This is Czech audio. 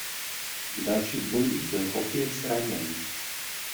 V dalších bojích byl opět zraněn.